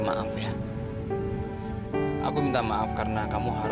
saya baru tahu